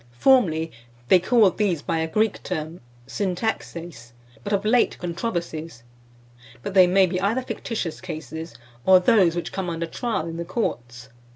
Formerly, they called these by a Greek term, syntaxeis, but of late "controversies;" but they may be either fictitious cases, or those which come under trial in the courts.